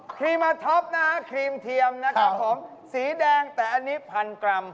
ครีมาท็อปนะฮะครีมเทียมนะครับผมสีแดงแต่อันนี้พันกรัม